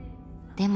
でも。